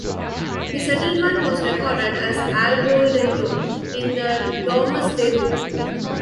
The settlement was recorded as Alboldintone in the "Domesday Book".